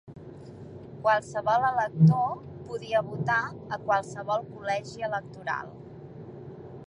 Qualsevol elector podia votar a qualsevol col·legi electoral.